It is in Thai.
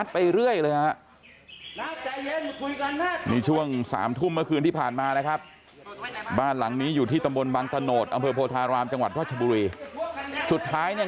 ไปเรื่อยเลยฮะนี่ช่วง๓ทุ่มเมื่อคืนที่ผ่านมานะครับบ้านหลังนี้อยู่ที่ตำบลบังตะโนธอำเภอโพธารามจังหวัดราชบุรีสุดท้ายเนี่ย